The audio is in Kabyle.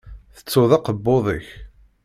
Tettuḍ akebbuḍ-ik.